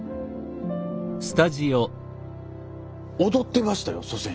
踊ってましたよ祖先。